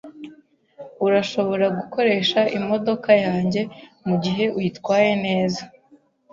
Urashobora gukoresha imodoka yanjye mugihe uyitwaye neza.